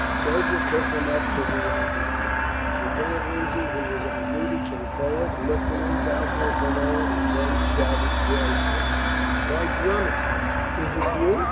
A soldier took him up to the anteroom. Lieutenant Lindsay, who was on duty, came forward, looked at him doubtfully for a moment, and then shouted joyfully: "Why, Drummond, is it you?